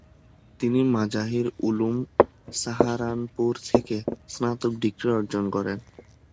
তিনি মাজাহির উলুম, সাহারানপুর থেকে স্নাতক ডিগ্রি অর্জন করেছেন।